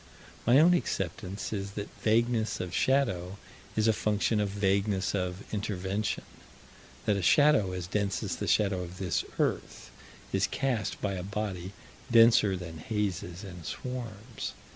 My own acceptance is that vagueness of shadow is a function of vagueness of intervention; that a shadow as dense as the shadow of this earth is cast by a body denser than hazes and swarms.